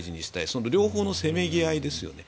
その両方のせめぎ合いですよね。